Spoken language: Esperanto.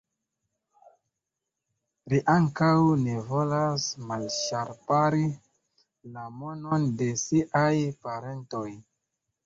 Ri ankaŭ ne volas malŝpari la monon de siaj parentoj.